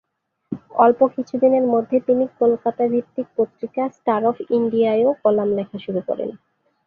অল্প কিছুদিনের মধ্যে, তিনি কলকাতা-ভিত্তিক পত্রিকা ""স্টার অব ইন্ডিয়ায়""ও কলাম লেখা শুরু করেন।